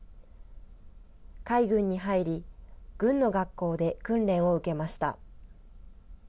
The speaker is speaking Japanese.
海軍に入り、軍の学校で訓練を受けました。